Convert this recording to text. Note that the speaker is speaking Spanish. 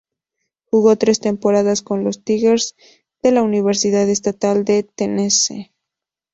Jugó tres temporadas con los "Tigers" de la Universidad Estatal de Tennessee.